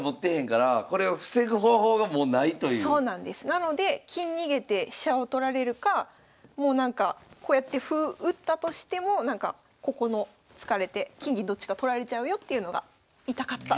なので金逃げて飛車を取られるかもうなんかこうやって歩打ったとしてもここの突かれて金銀どっちか取られちゃうよっていうのが痛かった。